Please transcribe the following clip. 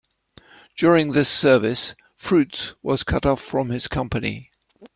During this service, Fruits was cut off from his company.